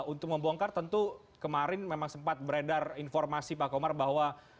untuk membongkar tentu kemarin memang sempat beredar informasi pak komar bahwa